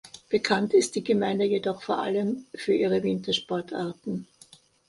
Bekannt ist die Gemeinde jedoch vor allem für ihre Wintersportarten.